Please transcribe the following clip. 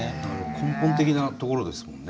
根本的なところですもんね。